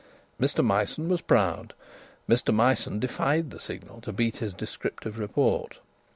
Mr Myson was proud. Mr Myson defied the Signal to beat his descriptive report.